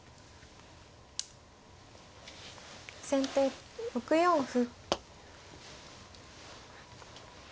先手６四歩。